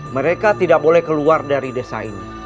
mereka tidak boleh keluar dari desa ini